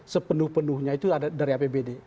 sepenuh penuhnya itu dari apbd